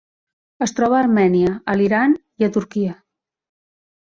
Es troba a Armènia, a l'Iran i a Turquia.